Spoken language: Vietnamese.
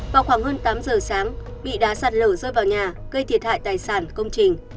vào khoảng hơn tám giờ sáng bị đá sạt lở rơi vào nhà gây thiệt hại tài sản công trình